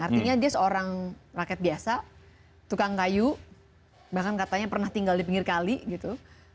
artinya dia seorang rakyat biasa tukang kayu bahkan katanya pernah tinggal di pinggir kali gitu